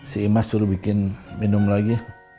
si imas suruh bikin minum lagi